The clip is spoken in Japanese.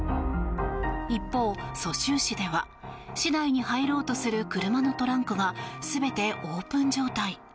一方、蘇州市では市内に入ろうとする車のトランクが全てオープン状態。